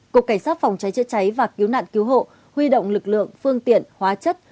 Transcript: cục cảnh sát phòng cháy chữa cháy và cứu nạn cứu hộ huy động lực lượng phương tiện hóa chất